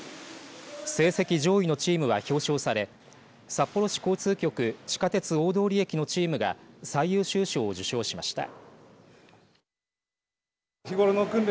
成績上位のチームは表彰され札幌市交通局地下鉄大通駅のチームが最優秀賞を受賞しました。